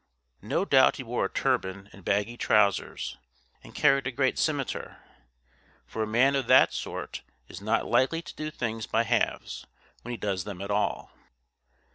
No doubt he wore a turban and baggy trousers, and carried a great scimiter, for a man of that sort is not likely to do things by halves when he does them at all.